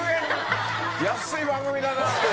安い番組だなって。